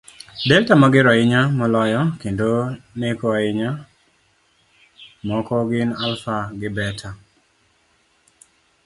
Delta mager ahinya moloyo, kendo neko ahinya, moko gin Alpha gi Beta